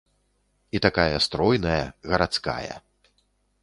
І такая стройная, гарадская.